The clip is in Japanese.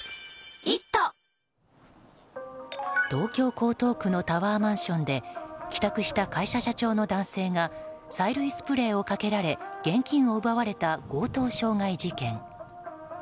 東京・江東区のタワーマンションで帰宅した会社社長の男性が催涙スプレーをかけられ現金を奪われた強盗傷害事件。